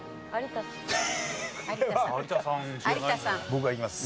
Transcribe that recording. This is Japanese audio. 僕がいきます。